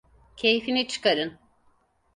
Keyfini çıkarın.